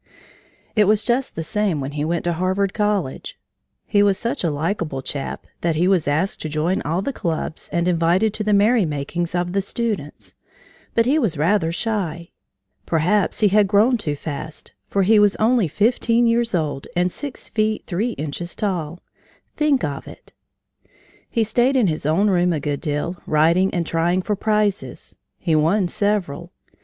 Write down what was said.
It was just the same when he went to Harvard College. He was such a likeable chap that he was asked to join all the clubs and invited to the merry makings of the students. But he was rather shy. Perhaps he had grown too fast, for he was only fifteen years old and six feet, three inches tall think of it! He stayed in his own room a good deal, writing and trying for prizes. He won several.